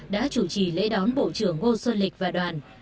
đã chủ trì lễ đón bộ trưởng ngô xuân lịch và đoàn